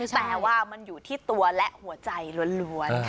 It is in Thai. แต่ว่ามันอยู่ที่ตัวและหัวใจล้วน